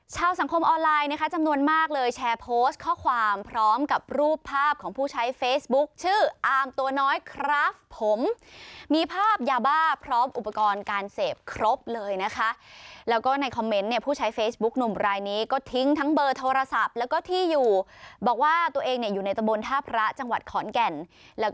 สังคมออนไลน์นะคะจำนวนมากเลยแชร์โพสต์ข้อความพร้อมกับรูปภาพของผู้ใช้เฟซบุ๊คชื่ออามตัวน้อยครับผมมีภาพยาบ้าพร้อมอุปกรณ์การเสพครบเลยนะคะแล้วก็ในคอมเมนต์เนี่ยผู้ใช้เฟซบุ๊กหนุ่มรายนี้ก็ทิ้งทั้งเบอร์โทรศัพท์แล้วก็ที่อยู่บอกว่าตัวเองเนี่ยอยู่ในตะบนท่าพระจังหวัดขอนแก่นแล้วก็